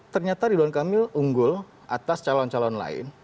ternyata ridwan kamil unggul atas calon calon lain